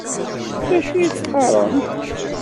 D acu i d-teqqaṛemt?